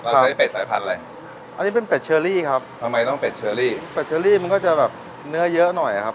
ใช้เป็ดสายพันธุ์อะไรอันนี้เป็นเป็ดเชอรี่ครับทำไมต้องเป็ดเชอรี่เป็ดเชอรี่มันก็จะแบบเนื้อเยอะหน่อยครับ